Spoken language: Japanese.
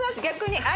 逆に。